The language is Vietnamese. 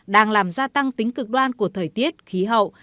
đang làm gia tăng tính cực đoan của thời tiết khí hậu